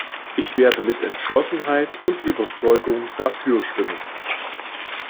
Ich werde mit Entschlossenheit und Überzeugung dafür stimmen.